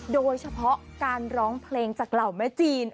โดยเฉพาะการร้องเพลงจากเหล่าแม่จีน